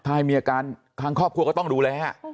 ถ้ามีอาการทางครอบครัวก็ต้องดูแล